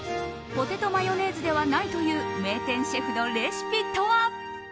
ポテトマヨネーズではないという名店シェフのレシピとは？